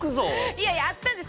いやいやあったんです。